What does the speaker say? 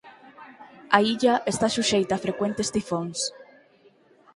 A illa está suxeita a frecuentes tifóns.